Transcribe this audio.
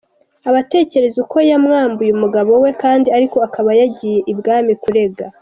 Abatekerereza uko yamwambuye umugabo we, kandi ariko akaba yagiye ibwami kurega.